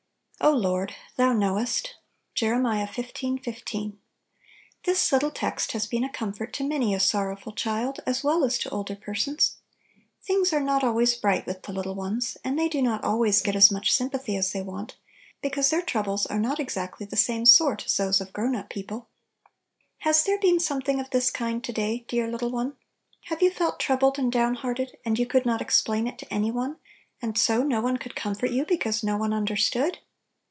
"0 Lord, Thou knowest" — Jbb. xv. 15. THIS little text has been a comfort to many a sorrowful child, as well as to older persona Things are not always bright with the little ones, and they do not always get as much sympa Little Pillows. 39 thy as they want, because their troubles are not exactly the same sort as those of grown up people. Has there been something of this kind to day, dear lit tle one? Have you felt troubled and downhearted, and you could not explain it to any one, and so no one could com fort you because no one understood?